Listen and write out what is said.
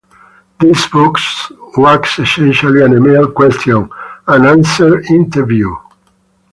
This book was essentially an email question and answer interview.